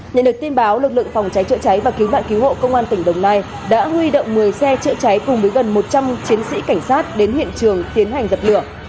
nhận được tin báo lực lượng phòng cháy chữa cháy và cứu nạn cứu hộ công an tỉnh đồng nai đã huy động một mươi xe chữa cháy cùng với gần một trăm linh chiến sĩ cảnh sát đến hiện trường tiến hành dập lửa